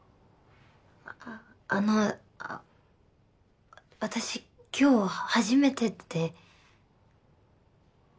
あの私今日初めてで。